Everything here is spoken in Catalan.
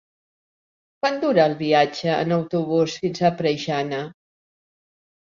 Quant dura el viatge en autobús fins a Preixana?